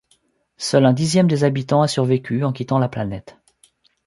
Seul un dixième des habitants a survécu en quittant la planète.